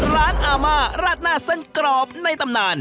ร้านอาม่าราชนาศสั้นกรอบในตำนาน